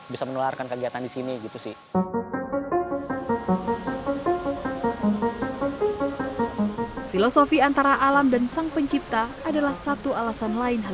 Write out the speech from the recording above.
dan tidak akan dibuang sia sia